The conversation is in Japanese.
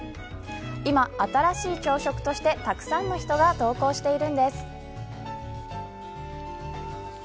今、新しい朝食としてたくさんの人が投稿しているんです。